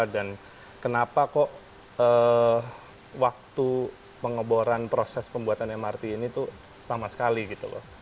dan kenapa kok waktu pengeboran proses pembuatan mrt ini tuh lama sekali gitu loh